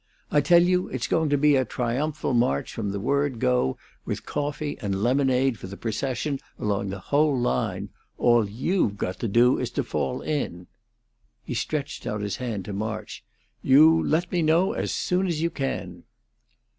I tell you it's going to be a triumphal march from the word go, with coffee and lemonade for the procession along the whole line. All you've got to do is to fall in." He stretched out his hand to March. "You let me know as soon as you can."